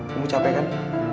kamu capek kan